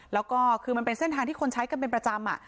แล้วก็คือมันเป็นเส้นทางที่คนใช้กันเป็นประจำ